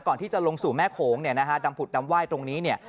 ก่อนที่จะลงสู่แม่โขงดำผุดดำไหว้ตรงนี้